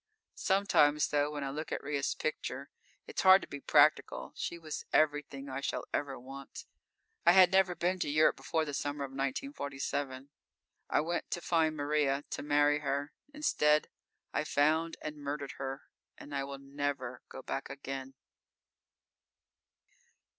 Sometimes, though, when I look at Ria's picture, it's hard to be practical. She was everything I shall ever want. I had never been to Europe before the summer of 1947. I went to find Maria, to marry her. Instead, I found and murdered her, and I will never go back again.